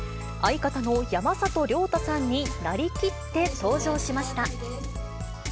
相方の山里亮太さんになりきって登場しました。